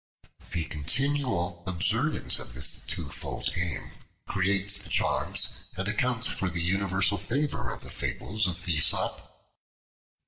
The continual observance of this twofold aim creates the charm, and accounts for the universal favor, of the fables of Aesop.